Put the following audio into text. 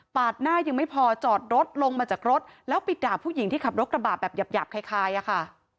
หน้ายังไม่พอจอดรถลงมาจากรถแล้วไปด่าผู้หญิงที่ขับรถกระบะแบบหยาบคล้ายอะค่ะ